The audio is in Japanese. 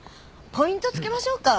ポイント付けましょうか？